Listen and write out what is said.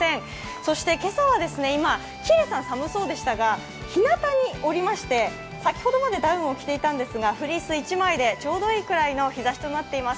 そして今朝は今、喜入さん、寒そうでしたがひなたにおりまして、先ほどまでダウンを着ていたんですがフリース１枚でちょうどいいぐらいの気温になっています。